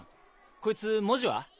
こいつ文字は？